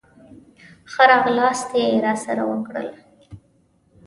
ښه راغلاست یې راسره وکړل.